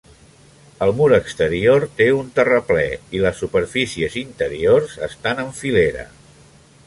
El mur exterior té un terraplè i les superfícies interiors estan en filera.